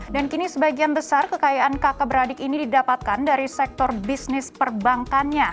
dan kini sebagian besar kekayaan kakak beradik ini didapatkan dari sektor bisnis perbankannya